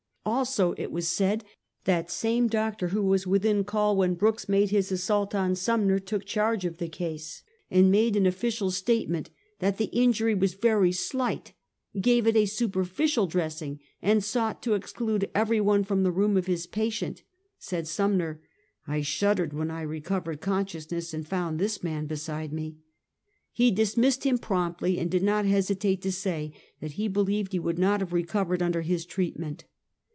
Also, that it was that same doc tor who was within call when Brooks made his assault on Sumner, took charge of the case, and made an ofl& cial statement that the injury was very slight, gave it a superficial dressing, and sought to exclude every one from the room of his patient. Said Sumner: " I shuddered when I recovered consciousness, and found this man beside me." He dismissed him promptly, and did not hesitate to say that he believed he would not have recovered under his treatment.